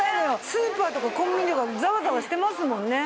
スーパーとかコンビニとかザワザワしてますもんね。